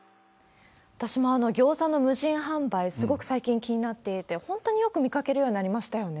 私もギョーザの無人販売、すごく最近気になっていて、本当によく見かけるようになりましたよね。